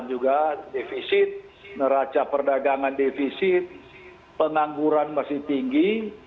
dan juga defisit neraca perdagangan defisit pengangguran masih tinggi